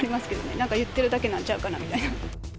なんか言ってるだけなんちゃうかなみたいな。